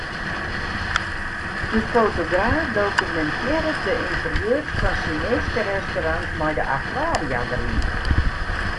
De fotograaf dokumintearret de ynterieurs fan Sjineeske restaurants mei de akwaria dêryn.